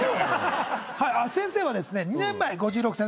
先生はですね２年前。